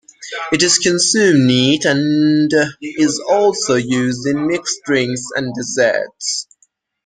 It is consumed neat and is also used in mixed drinks and desserts.